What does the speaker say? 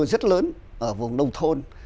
rất lớn ở vùng đông thôn